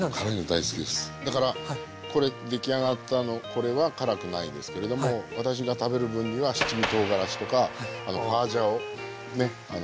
だからこれ出来上がったこれは辛くないですけれども私が食べる分には七味とうがらしとかホワジャオね